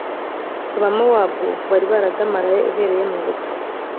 abamowabu bari baradamaraye uhereye mu buto